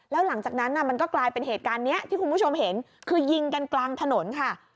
แล้วหลังจากนั้นมันก็กลายเป็นเหตุการณ์นี้ที่คุณผู้ชมเห็นคือยิงกันกลางถนนค่ะ